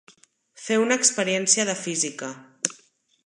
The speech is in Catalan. Fer una experiència de física.